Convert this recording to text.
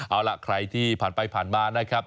เอาล่ะใครที่ผ่านไปผ่านมานะครับ